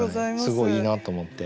すごいいいなと思って。